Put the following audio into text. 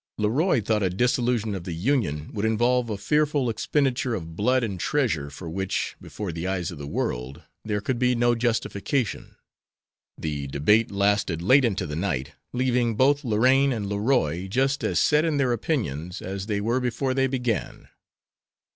Leroy thought a dissolution of the Union would involve a fearful expenditure of blood and treasure for which, before the eyes of the world, there could be no justification. The debate lasted late into the night, leaving both Lorraine and Leroy just as set in their opinions as they were before they began.